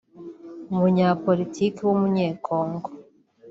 umunyapolitiki w’umunyekongo